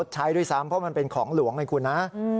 ใช้ด้วยซ้ำเพราะมันเป็นของหลวงไงคุณนะ